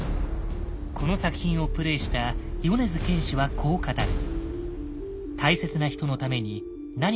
この作品をプレイした米津玄師はこう語る。